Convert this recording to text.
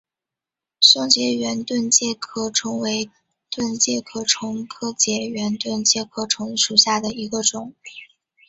松栉圆盾介壳虫为盾介壳虫科栉圆盾介壳虫属下的一个种。